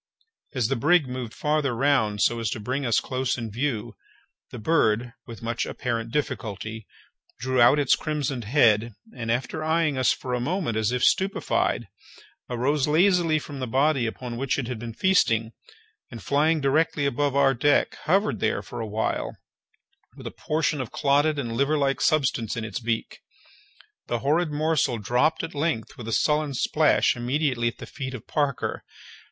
As the brig moved farther round so as to bring us close in view, the bird, with much apparent difficulty, drew out its crimsoned head, and, after eyeing us for a moment as if stupefied, arose lazily from the body upon which it had been feasting, and, flying directly above our deck, hovered there a while with a portion of clotted and liver like substance in its beak. The horrid morsel dropped at length with a sullen splash immediately at the feet of Parker.